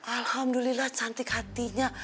alhamdulillah cantik hatinya